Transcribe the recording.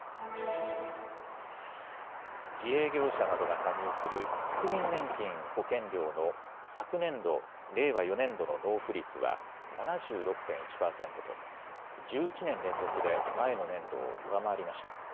自営業者などが加入する国民年金保険料の昨年度・令和４年度の納付率は７６．１％と１１年連続で前の年度を上回りました。